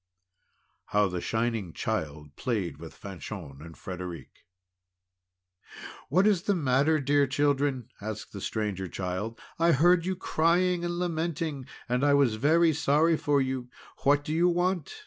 HOW THE SHINING CHILD PLAYED WITH FANCHON AND FREDERIC "What is the matter, dear children?" asked the Stranger Child. "I heard you crying and lamenting, and I was very sorry for you! What do you want?"